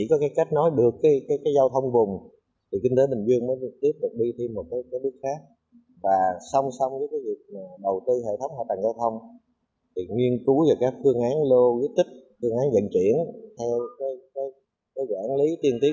của nhiệm kỳ hai nghìn hai mươi hai nghìn hai mươi năm